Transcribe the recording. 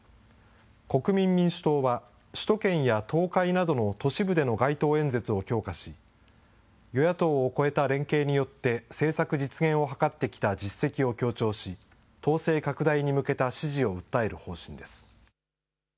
国民民主党は、首都圏や東海などの都市部での街頭演説を強化し、与野党を超えた連携によって、政策実現を図ってきた実績を強調し、党勢拡大に向けた支持を訴える方針です。